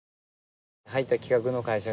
入った企画の会社がね